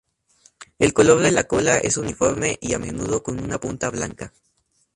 El color de la cola es uniforme y a menudo con una punta blanca.